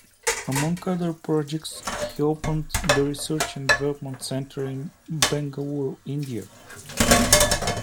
Among other projects, he opened the Research and Development center at Bengaluru, India.